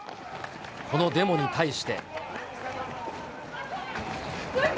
このデモに対して。